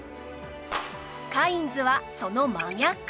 カインズはその真逆